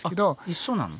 一緒なの？